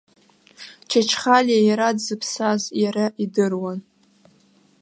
Чачхалиа иара дзыԥсаз иара идыруан.